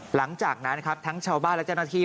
หลังจากนั้นนะครับทั้งชาวบ้านและเจ้าหน้าที่